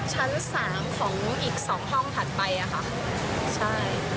ชั้นสามของอีกสองห้องถัดไปอะค่ะใช่